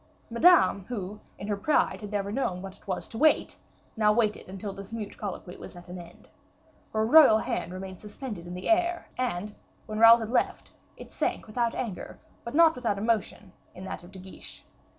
Madame, who in her pride had never known what it was to wait, now waited until this mute colloquy was at an end. Her royal hand remained suspended in the air, and, when Raoul had left, it sank without anger, but not without emotion, in that of De Guiche.